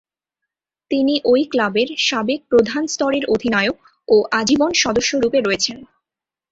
তিনি ঐ ক্লাবের সাবেক প্রধান স্তরের অধিনায়ক ও আজীবন সদস্যরূপে রয়েছেন।